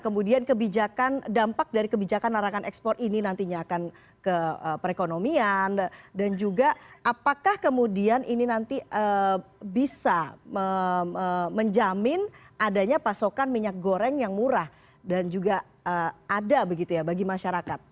kemudian kebijakan dampak dari kebijakan larangan ekspor ini nantinya akan ke perekonomian dan juga apakah kemudian ini nanti bisa menjamin adanya pasokan minyak goreng yang murah dan juga ada begitu ya bagi masyarakat